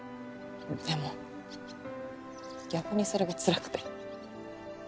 でも逆にそれがつらくて。